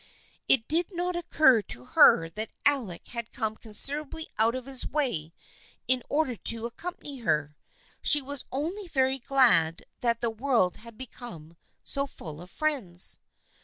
It did not occur to her that Alec had come considerably out of his way in order to accompany her. She was only very glad that the world had become so full of friends.